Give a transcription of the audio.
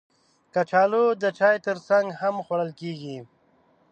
کچالو د چای ترڅنګ هم خوړل کېږي